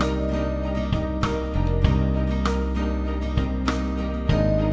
semua jadi lebih mudah loh begini